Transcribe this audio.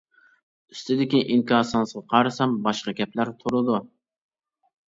ئۈستىدىكى ئىنكاسىڭىزغا قارىسام باشقا گەپلەر تۇرىدۇ.